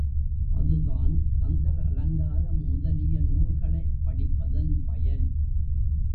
அதுதான் கந்தர் அலங்காரம் முதலிய நூல்களைப் படிப்பதன் பயன்.